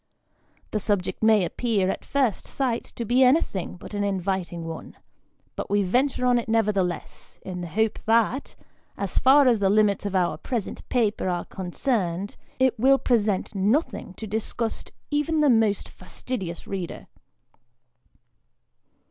The subject may appear, at first sight, to be anything but an inviting one, but we venture on it nevertheless, in the hope that, as far as the limits of our present papers are concerned, it will present nothing to disgust even the most fastidious reader.